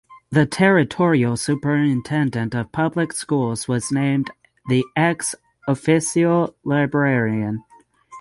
The Territorial Superintendent of Public Schools was named the Ex Officio Librarian.